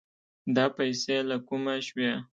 دا پيسې له کومه شوې؟